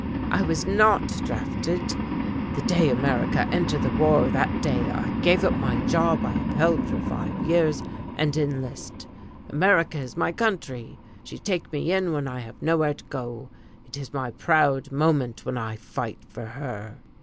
"I was not drafted. The day America enter the war, that day I give up my job I have held for five years, and enlist. America is my country, she take me in when I have nowhere to go. It is my proud moment when I fight for her!"